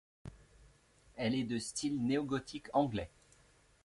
Elle est de style néogothique anglais.